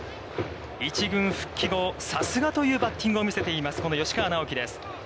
１軍復帰後、さすがというバッティングを見せています、この吉川尚輝です。